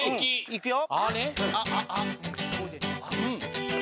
いくよ。